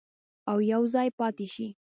او یوځای پاتې شي.